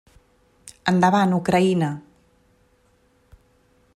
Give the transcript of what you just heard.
Endavant, Ucraïna!